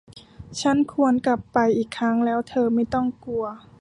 ฉันควรกลับไปอีกครั้ง แล้วเธอไม่ต้องกลัว